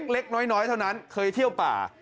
เล็กน้อยเท่านั้นเคยเที่ยวป่า